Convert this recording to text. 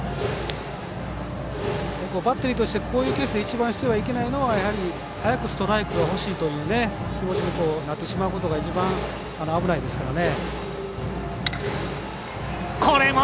バッテリーとしてこういうケースで一番してはいけないのは早くストライクが欲しいという気持ちになってしまうことが一番危ないですからね。